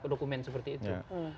dokumen seperti itu